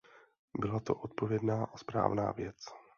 Byla to odpovědná a správná věc.